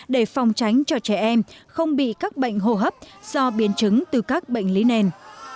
để phòng tránh cho trẻ em không bị các bệnh hô hấp do biến chứng từ các bệnh lý nền